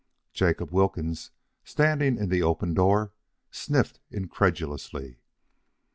Jacob Wilkins, standing in the open door, sniffed incredulously.